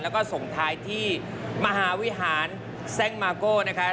แล้วก็ส่งท้ายที่มหาวิหารแซ่งมาโก้นะคะ